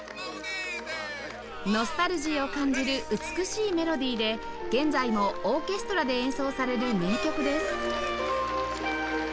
ノスタルジーを感じる美しいメロディーで現在もオーケストラで演奏される名曲です